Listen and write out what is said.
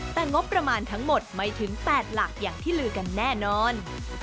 แต่งบประมาณทั้งหมดไม่ถึง๘หลักอย่างที่ลือกันแน่นอน